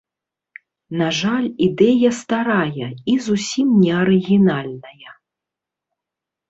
На жаль, ідэя старая і зусім не арыгінальная.